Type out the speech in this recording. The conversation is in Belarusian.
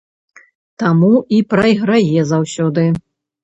Таму і прайграе заўсёды.